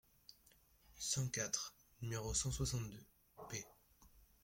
cent quatre, nº cent soixante-deux ; p.